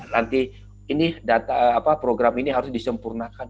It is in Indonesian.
nanti program ini harus disempurnakan